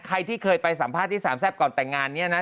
ใครที่เคยไปสัมภาษณ์ที่สามแซ่บก่อนแต่งงานเนี่ยนะ